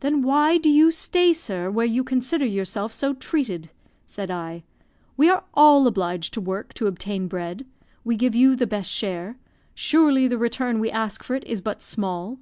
"Then why do you stay, sir, where you consider yourself so treated?" said I. "We are all obliged to work to obtain bread; we give you the best share surely the return we ask for it is but small."